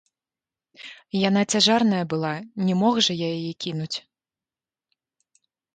Яна цяжарная была, не мог жа я яе кінуць.